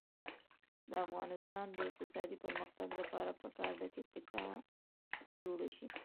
د افغانستان د اقتصادي پرمختګ لپاره پکار ده چې تکه جوړه شي.